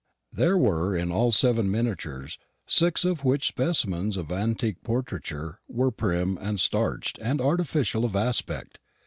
There were in all seven miniatures, six of which specimens of antique portraiture were prim and starched and artificial of aspect.